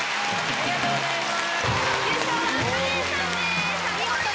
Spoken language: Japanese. ありがとうございます。